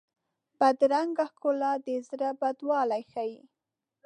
بدرنګه ښکلا د زړه بدوالی ښيي